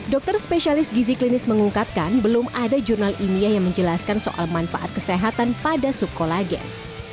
dokter spesialis gizi klinis mengungkapkan belum ada jurnal ilmiah yang menjelaskan soal manfaat kesehatan pada subkolagen